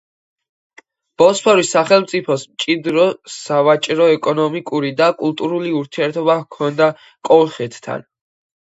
ბოსფორის სახელმწიფოს მჭიდრო სავაჭრო-ეკონომიკური და კულტურული ურთიერთობა ჰქონდა კოლხეთთან.